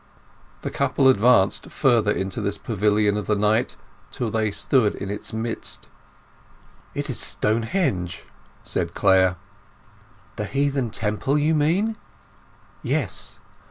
The couple advanced further into this pavilion of the night till they stood in its midst. "It is Stonehenge!" said Clare. "The heathen temple, you mean?" "Yes.